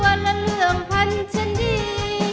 ว่าละเรื่องพันชนดี